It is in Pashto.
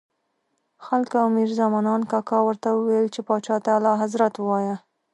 خلکو او میرزا منان کاکا ورته ویل چې پاچا ته اعلیحضرت ووایه.